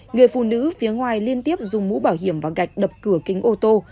người phụ nữ phía ngoài liên tiếp dùng mũ bảo hiểm và gạch đập cửa kính ô tô